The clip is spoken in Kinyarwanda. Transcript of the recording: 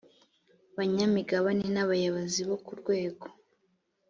banyamigabane n abayobozi bo ku rwego